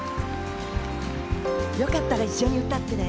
よかったら一緒に歌ってね。